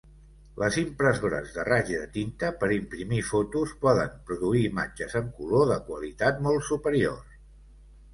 Les impressores de raig de tinta per imprimir fotos poden produir imatges en color de qualitat molt superior.